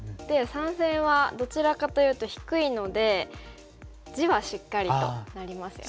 三線はどちらかというと低いので地はしっかりとなりますよね。